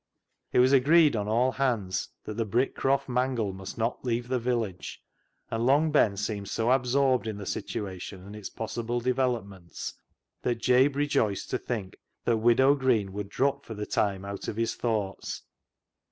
It was agreed on all hands that the Brick croft mangle must not leave the village, and Long Ben seemed so absorbed in the situation, and its possible developments, that Jabe rejoiced to think that Widow Green would drop for the time out of his thoughts.